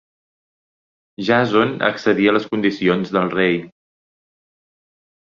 Jàson accedí a les condicions del rei.